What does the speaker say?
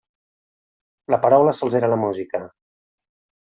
La paraula sols era la musica.